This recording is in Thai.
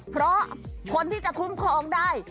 เพราะคนที่จะคุ้มครองได้